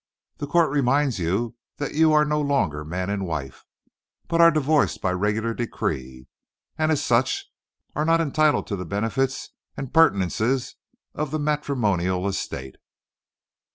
The co't reminds you that you air no longer man and wife, but air divo'ced by regular decree, and as such air not entitled to the benefits and 'purtenances of the mattermonal estate."